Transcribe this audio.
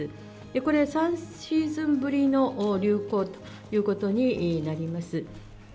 これは３シーズンぶりの流行ということになります。